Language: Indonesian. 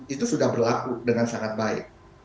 itu sudah berlaku dengan sangat baik